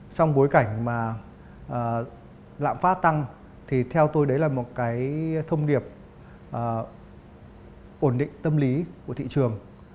trong bối cảnh mà lạm phát tăng thì theo tôi đấy là một cái thông điệp ổn định tâm lý của thị trường